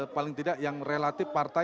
paling tidak yang relatif partai